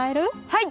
はい！